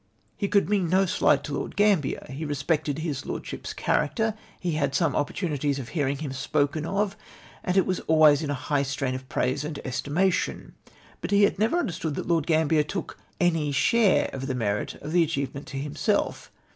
He could mean no slight to Lord Gramhier. He respected his lordship's character. He had some opportunities of hearing him spoken of, and it was always in a high strain of praise and estimation. But he had never understood that Lord Grambier took any share of the merit of the achievement to himself.